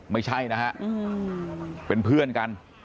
ไม่ใช่นะฮะเป็นเพื่อนกัน